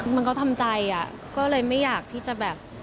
มันก็ทำใจอ่ะก็เลยไม่อยากที่จะแบบ